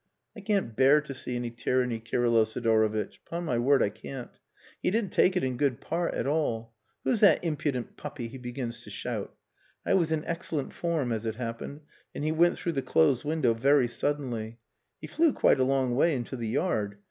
I can't bear to see any tyranny, Kirylo Sidorovitch. Upon my word I can't. He didn't take it in good part at all. 'Who's that impudent puppy?' he begins to shout. I was in excellent form as it happened, and he went through the closed window very suddenly. He flew quite a long way into the yard.